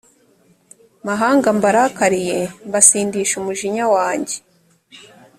mahanga mbarakariye mbasindisha umujinya wanjye